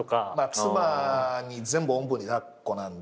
妻に全部おんぶに抱っこなんで。